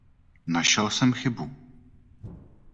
Našel jsem chybu.